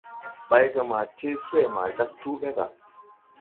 Baygama tee swee ma jāg tuu ɓe ga.